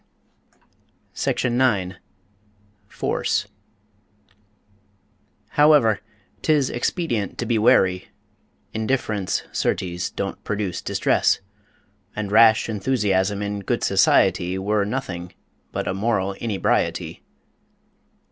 _ CHAPTER IX FORCE However, 'tis expedient to be wary: Indifference, certes, don't produce distress; And rash enthusiasm in good society Were nothing but a moral inebriety.